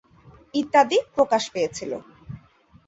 ইত্যাদি প্ৰকাশ পেয়েছিল।